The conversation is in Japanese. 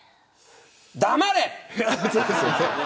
黙れ。